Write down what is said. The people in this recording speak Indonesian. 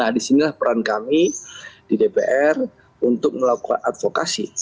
nah disinilah peran kami di dpr untuk melakukan advokasi